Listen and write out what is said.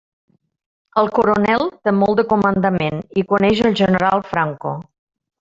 El coronel té molt de comandament i coneix el general Franco.